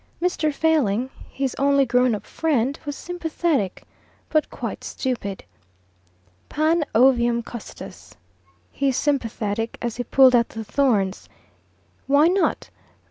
Mr. Failing, his only grown up friend, was sympathetic, but quite stupid. "Pan ovium custos," he sympathetic, as he pulled out the thorns. "Why not?"